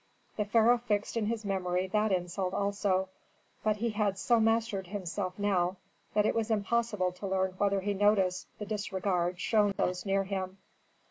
The pharaoh fixed in his memory that insult also; but he had so mastered himself now that it was impossible to learn whether he noticed the disregard shown those near him.